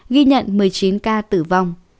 ghi nhận một mươi chín ca tử vong